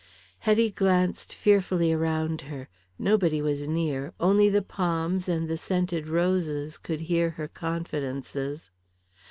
Hetty glanced fearfully around her. Nobody was near only the palms and the scented roses could hear her confidences.